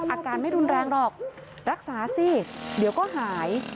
อาการไม่รุนแรงหรอกรักษาสิเดี๋ยวก็หาย